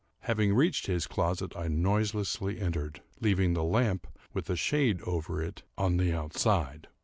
Having reached his closet, I noiselessly entered, leaving the lamp, with a shade over it, on the outside.